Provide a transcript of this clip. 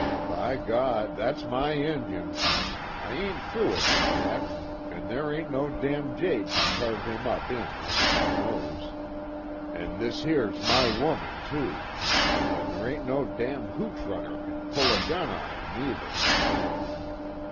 "By God, that's my Injun! I ain't through with him, yet, an' there ain't no damn jade kin carve him up in under my nose." "An' this here's my woman, too. An' there ain't no damn hooch runner kin pull a gun on her, neither!"